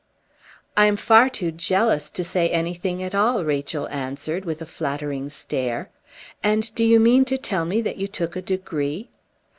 "I am far too jealous to say anything at all," Rachel answered with a flattering stare. "And do you mean to tell me that you took a degree?"